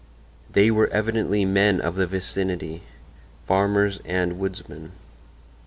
They were evidently men of the vicinity—farmers and woodsmen.